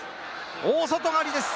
大外刈りです！